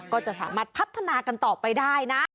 ก็จะสามารถพัฒนากันต่อไปได้นะ